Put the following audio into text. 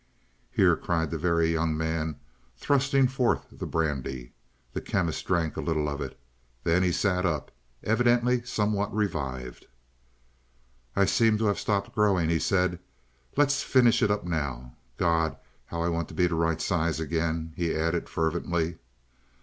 "Here!" cried the Very Young Man, thrusting forth the brandy. The Chemist drank a little of it. Then he sat up, evidently somewhat revived. "I seem to have stopped growing," he said. "Let's finish it up now. God! how I want to be the right size again," he added fervently.